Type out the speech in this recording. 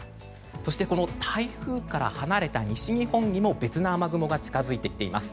台風から離れた西日本にも別の雨雲が近づいてきています。